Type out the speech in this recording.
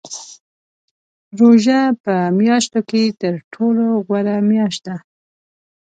روژه په میاشتو کې تر ټولو غوره میاشت ده .